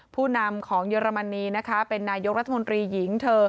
ผู้นำของเยอรมนีนะคะเป็นนายกรัฐมนตรีหญิงเธอ